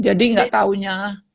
jadi gak taunya